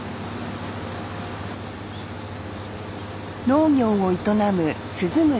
農業を営む鈴村